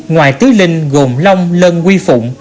ngoài tứ linh gồm lông lân quy phụng